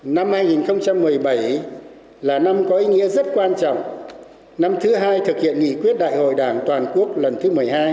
năm hai nghìn một mươi bảy là năm có ý nghĩa rất quan trọng năm thứ hai thực hiện nghị quyết đại hội đảng toàn quốc lần thứ một mươi hai